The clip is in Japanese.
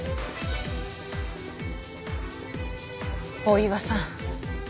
大岩さん。